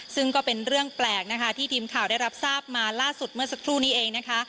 ซึ่งก็เป็นเรื่องแปลกนะคะที่ทีมข่าวได้รับทราบมาล่าสุดเมื่อสักครู่นี้เองนะคะ